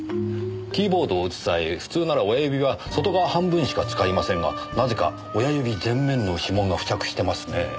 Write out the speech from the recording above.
キーボードを打つ際普通なら親指は外側半分しか使いませんがなぜか親指全面の指紋が付着してますねえ。